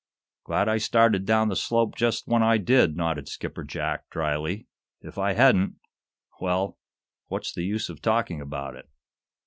"Glad I started down the slope just when I did," nodded Skipper Jack, dryly. "If I hadn't well, what's the use of talking about it?"